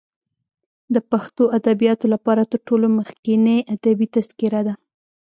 د پښتو ادبیاتو لپاره تر ټولو مخکنۍ ادبي تذکره ده.